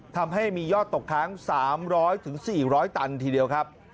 ทำให้มียอดตกค้าง๓๐๐๔๐๐ตันทีเดียวครับ